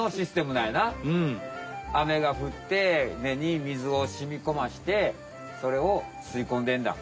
雨がふって根に水をしみこましてそれをすいこんでんだ。